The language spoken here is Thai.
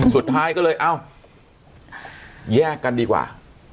สุดท้ายก็เลยเอ้าแยกกันดีกว่า